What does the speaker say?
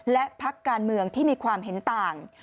และพักการเมืองที่มีความเห็นต่าง